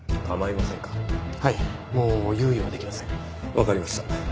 わかりました。